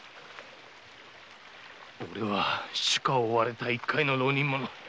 俺は主家を追われた一介の浪人者。